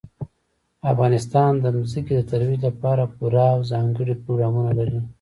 افغانستان د ځمکه د ترویج لپاره پوره او ځانګړي پروګرامونه لري.